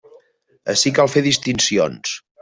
Ací cal fer distincions.